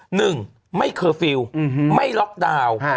หนึ่งไม่เคอร์ฟิลล์ไม่ล็อกดาวน์